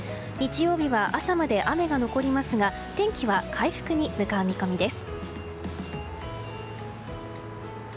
日曜日は朝まで雨が残りますが天気は回復に向かう見込みです。